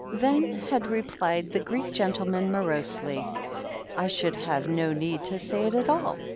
Then had replied the Greek' gentleman morosely : "I should have no need to say it at all.